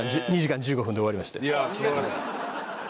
いや素晴らしい。